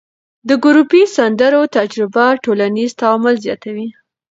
د ګروپي سندرو تجربه ټولنیز تعامل زیاتوي.